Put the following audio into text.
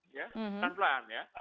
ya tanpa pelan